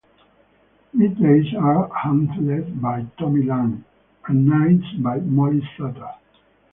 Middays are handled by Tommy Lang, and Nights by Molly Suter.